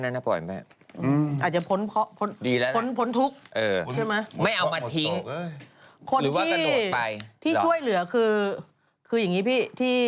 อาจจะพ้นทุกข์ไม่เอามาทิ้งคนที่ช่วยเหลือคือคืออย่างงี้พี่